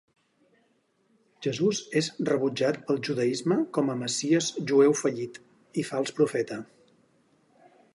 Jesús és rebutjat pel judaisme com a 'messies jueu fallit' i fals profeta.